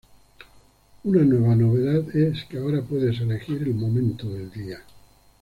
Una nueva novedad es que ahora puedes elegir el momento del día.